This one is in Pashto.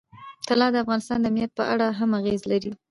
طلا د افغانستان د امنیت په اړه هم اغېز لري.